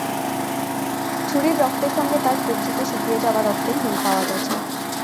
ছুরির রক্তের সঙ্গে তাঁর কবজিতে শুকিয়ে যাওয়া রক্তের মিল পাওয়া গেছে।